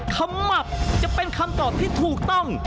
ขมับจะเป็นคำตอบที่ถูกต้อง